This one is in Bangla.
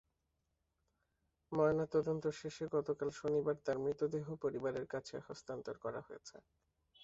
ময়নাতদন্ত শেষে গতকাল শনিবার তার মৃতদেহ পরিবারের কাছে হস্তান্তর করা হয়েছে।